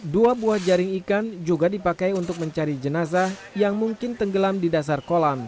dua buah jaring ikan juga dipakai untuk mencari jenazah yang mungkin tenggelam di dasar kolam